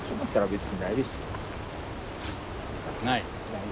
ない？